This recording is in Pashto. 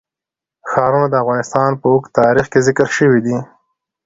ښارونه د افغانستان په اوږده تاریخ کې ذکر شوی دی.